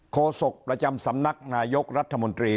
โศกประจำสำนักนายกรัฐมนตรี